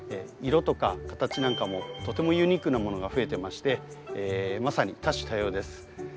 色とか形なんかもとてもユニークなものが増えてましてまさに多種多様です。